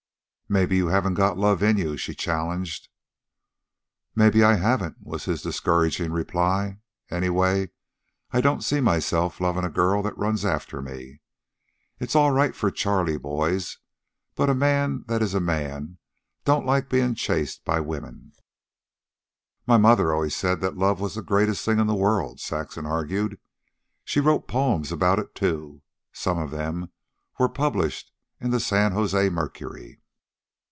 "Maybe you haven't got love in you," she challenged. "Maybe I haven't," was his discouraging reply. "Anyway, I don't see myself lovin' a girl that runs after me. It's all right for Charley boys, but a man that is a man don't like bein' chased by women." "My mother always said that love was the greatest thing in the world," Saxon argued. "She wrote poems about it, too. Some of them were published in the San Jose Mercury."